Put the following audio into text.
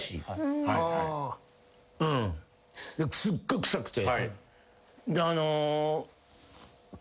うんすっごい臭くて。